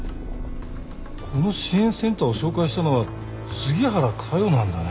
この支援センターを紹介したのは杉原佳代なんだね。